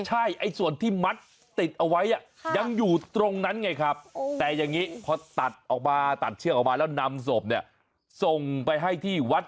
ใช่ไอ้ส่วนที่มัดติดเอาไว้ยังอยู่ตรงนั้นไงครับ